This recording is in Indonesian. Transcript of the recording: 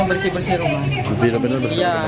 sama bersih bersih rumah